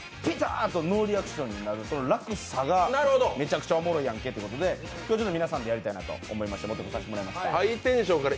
あとノーリアクションになる落差がめちゃくちゃおもろいやんけということで皆さんでやりたいなと思って持ってこさせていただきました。